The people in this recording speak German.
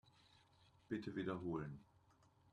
Bitte wiederholen.